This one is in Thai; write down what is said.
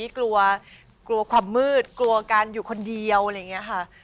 กลัวกลัวความมืดกลัวกันอยู่คนเดียวอะไรอย่างนี้ค่ะ